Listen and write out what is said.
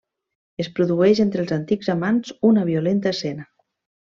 Es produeix entre els antics amants una violenta escena.